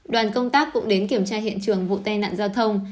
đoàn công tác cũng đến kiểm tra hiện trường vụ tai nạn giao thông